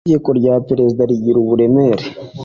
itegeko rya prezida rigira uburemere